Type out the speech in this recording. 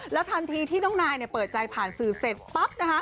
ทันทีที่น้องนายเปิดใจผ่านสื่อเสร็จปั๊บ